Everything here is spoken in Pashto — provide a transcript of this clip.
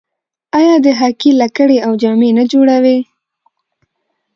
آیا د هاکي لکړې او جامې نه جوړوي؟